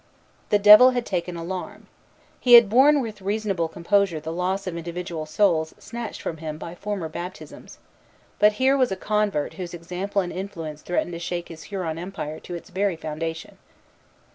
The Devil had taken alarm. He had borne with reasonable composure the loss of individual souls snatched from him by former baptisms; but here was a convert whose example and influence threatened to shake his Huron empire to its very foundation.